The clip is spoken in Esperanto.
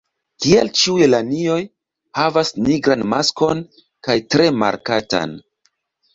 Kiel ĉiuj lanioj, havas nigran maskon kaj tre markatan.